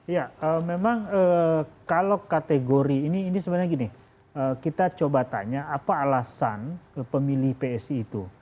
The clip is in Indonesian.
ya memang kalau kategori ini sebenarnya gini kita coba tanya apa alasan pemilih psi itu